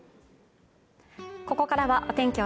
ここからはお天気